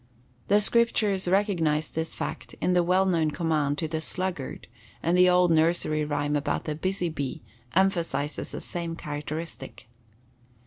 The scriptures recognized this fact in the well known command to the sluggard, and the old nursery rhyme about the "busy bee" emphasizes the same characteristic.